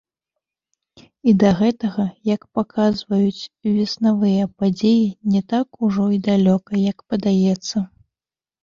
І да гэтага, як паказваюць веснавыя падзеі, не так ужо і далёка, як падаецца.